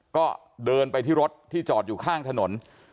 ก็เดินไปที่รถที่จอดอยู่ข้างถนน